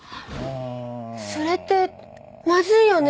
それってまずいよね！？